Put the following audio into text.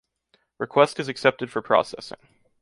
Request is accepted for processing.